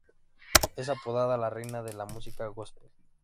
Es apodada "La Reina de la música Gospel".